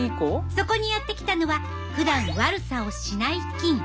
そこにやって来たのはふだん悪さをしない菌。